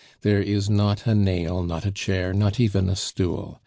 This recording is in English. There is not a nail, not a chair, not even a stool.